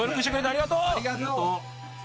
ありがとう。